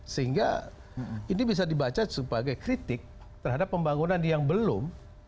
sehingga ini bisa dibaca sebagai kritik terhadap pembangunan yang belum